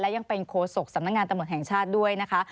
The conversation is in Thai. ยังเป็นโคศกสำนักงานตำรวจแห่งชาติด้วยนะคะ